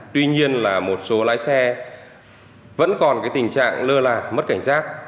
tuy nhiên là một số lái xe vẫn còn cái tình trạng lơ là mất cảnh giác